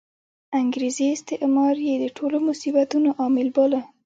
انګریزي استعمار یې د ټولو مصیبتونو عامل باله.